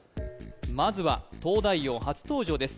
まずは「東大王」初登場です